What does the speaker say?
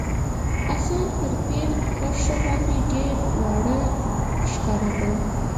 اسان پر پیل کرښه باندي ډېر واړه ښکارېدل.